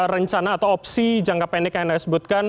rencana atau opsi jangka pendek yang anda sebutkan